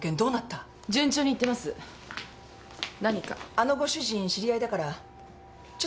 あのご主人知り合いだからちょっと気になって。